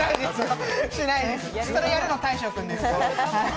それやるの大昇君です。